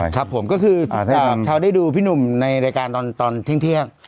ครับผมก็คือเขาได้ดูพี่หนุ่มในรายการตอนเที่ยง